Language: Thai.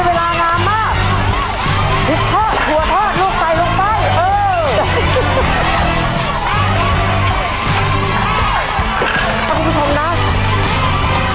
เวลาน้ำมากหัวทอดหัวทอดลูกใส่ลงไปเออ